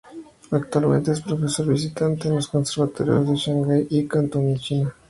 Actualmente es profesor visitante en los conservatorios de Shanghái y Cantón en China.